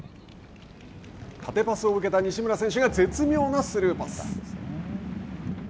縦パスを受けた西村選手が絶妙なスルーパス。